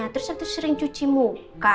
terus abis itu sering cuci muka